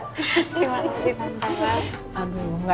terima kasih tante mbak